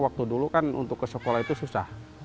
waktu dulu kan untuk ke sekolah itu susah